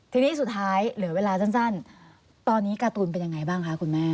ทีนี้สุดท้ายเหลือเวลาสั้นตอนนี้การ์ตูนเป็นยังไงบ้างคะคุณแม่